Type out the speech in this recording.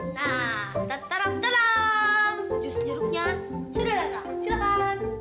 nah tetarap taram jus jeruknya sudah rasa silakan